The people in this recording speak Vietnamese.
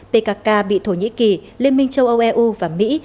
pkk bị thổ nhĩ kỳ liên minh châu âu eu và mỹ